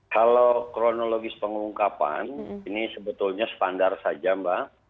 kalau kronologis pengungkapan ini sebetulnya standar saja mbak